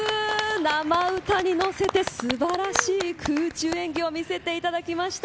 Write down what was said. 生歌にのせて素晴らしい空中演技を見せていただきました。